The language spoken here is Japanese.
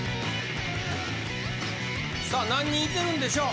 さあ何人いてるんでしょう。